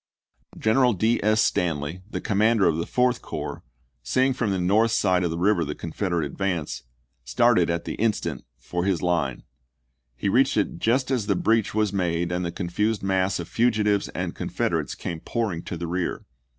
General D. S. Stanley, the commander of the Fourth Corps, seeing from the north side of the river the Confederate advance, started at the in stant for his line. He reached it just as the breach was made and the confused mass of fugitives and Confederates came pouring to the rear.